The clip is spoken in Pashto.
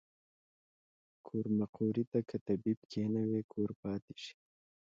کور مقري ته کۀ طبيب کښېنوې کور پاتې شي